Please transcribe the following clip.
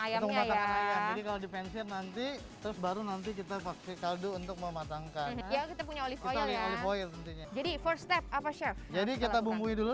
ayamnya ya nanti terus baru nanti kita pakai kaldu untuk mematangkan jadi kita bumbui dulu